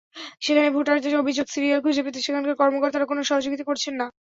সেখানের ভোটারদের অভিযোগ, সিরিয়াল খুঁজে পেতে সেখানকার কর্মকর্তারা কোনো সহযোগিতা করছেন না।